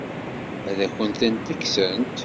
Ad akent-tent-kksent?